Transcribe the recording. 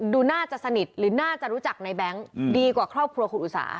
ดูน่าจะสนิทหรือน่าจะรู้จักในแบงค์ดีกว่าครอบครัวคุณอุสา